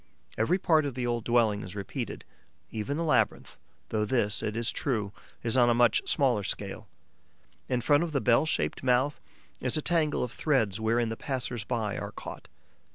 Every part of the old dwelling is repeated: even the labyrinth, though this, it is true, is on a much smaller scale. In front of the bell shaped mouth is a tangle of threads wherein the passers by are caught.